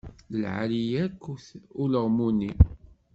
D lɛali-yak-t ulaɣmu-nni.